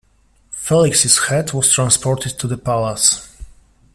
Felix's head was transported to the palace.